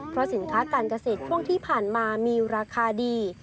เพราะสินค้าการเกษตรช่วงที่ผ่านมามีราคาดี